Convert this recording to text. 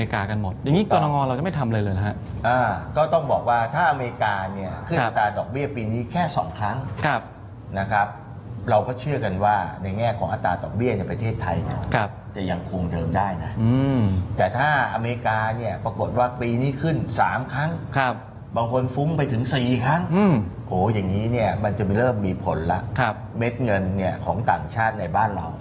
ขึ้นอัตราดอกเบี้ยปีนี้แค่๒ครั้งนะครับเราก็เชื่อกันว่าในแง่ของอัตราดอกเบี้ยในประเทศไทยเนี่ยจะยังคงเดิมได้นะแต่ถ้าอเมริกาเนี่ยปรากฏว่าปีนี้ขึ้น๓ครั้งบางคนฟุ้งไปถึง๔ครั้งโหอย่างนี้เนี่ยมันจะเริ่มมีผลแล้วเม็ดเงินเนี่ยของต่างชาติในบ้านเรา